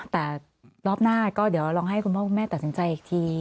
แต่รอบหน้าก็เดี๋ยวลองให้คุณพ่อคุณแม่ตัดสินใจอีกที